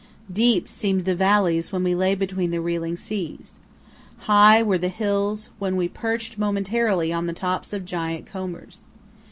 Deep seemed the valleys when we lay between the reeling seas. High were the hills when we perched momentarily on the tops of giant combers.